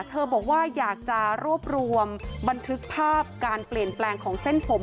บอกว่าอยากจะรวบรวมบันทึกภาพการเปลี่ยนแปลงของเส้นผม